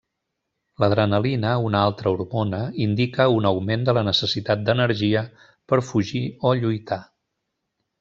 L'adrenalina, una altra hormona, indica un augment de la necessitat d'energia per fugir o lluitar.